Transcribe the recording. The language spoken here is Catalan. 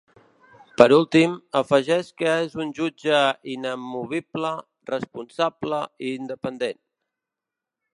Per últim, afegeix que és un jutge ‘inamovible, responsable i independent’.